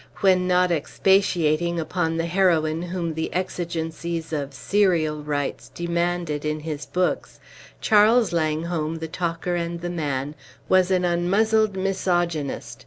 When not expatiating upon the heroine whom the exigencies of "serial rights" demanded in his books, Charles Langholm, the talker and the man, was an unmuzzled misogynist.